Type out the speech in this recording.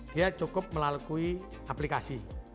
dia cukup melalui aplikasi